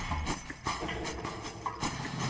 มีความรู้สึกว่า